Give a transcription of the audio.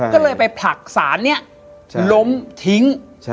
ก็เลยไปผลักสารนี้ล้มทิ้ง